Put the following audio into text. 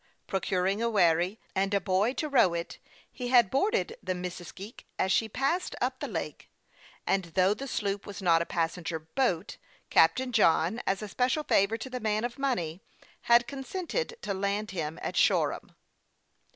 Procuring a wherry, and a boy to row it, he had boarded the Missisque as she passed up the lake ; and, though the sloop was not a passenger boat, Captain John, as a special favor to the man of money, had consented to land him at Shoreham.